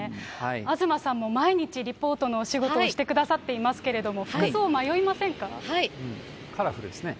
東さんも、毎日、リポートのお仕事をしてくださっていますけれども、服装迷いませカラフルですね。